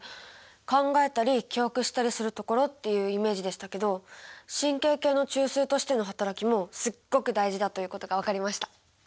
考えたり記憶したりするところっていうイメージでしたけど神経系の中枢としての働きもすっごく大事だということが分かりました。